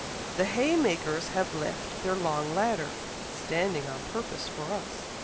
The haymakers have left their long ladder, standing on purpose for us!